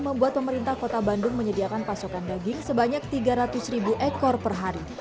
membuat pemerintah kota bandung menyediakan pasokan daging sebanyak tiga ratus ribu ekor per hari